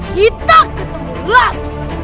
kita ketemu lagi